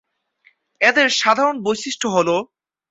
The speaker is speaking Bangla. এদের সাধারণ বৈশিষ্ট্য হলোঃ